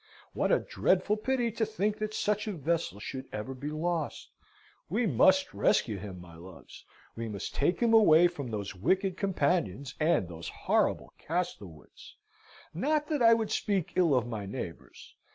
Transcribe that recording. What a dreadful pity to think that such a vessel should ever be lost! We must rescue him, my loves. We must take him away from those wicked companions, and those horrible Castlewoods not that I would speak ill of my neighbours.